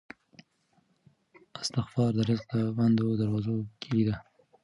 استغفار د رزق د بندو دروازو کیلي ده.